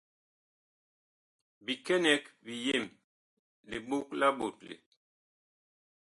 Bikɛnɛg biyem, liɓog la ɓotle.